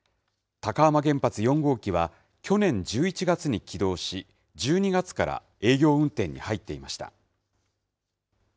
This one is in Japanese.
高浜原発４号機は、去年１１月に起動し、１２月から営業運転に入っていました。